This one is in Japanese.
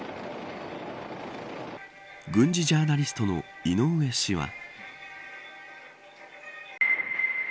軍事ジャーナリストの井上氏は。